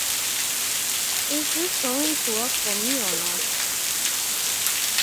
Is this going to work for me or not?